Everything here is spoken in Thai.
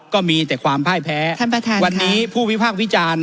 ก็มีแต่ความพ่ายแพ้ท่านประธานวันนี้ผู้วิพากษ์วิจารณ์